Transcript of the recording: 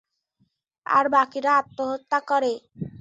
আর বাকিরা আত্মহত্যা করে।